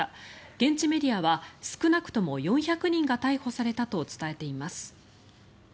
現地メディアは少なくとも４００人が逮捕されたと伝えています。